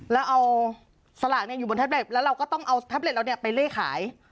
แล้วเอาสลากอยู่บนแท็ตแล้วเราก็ต้องเอาแท็บเล็ตเราไปเล่ขาย